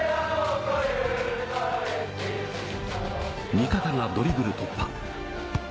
味方がドリブル突破。